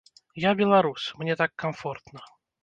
Я беларус, мне так камфортна.